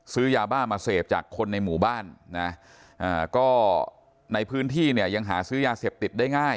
ซื้อยาบ้ามาเสพจากคนในหมู่บ้านนะก็ในพื้นที่เนี่ยยังหาซื้อยาเสพติดได้ง่าย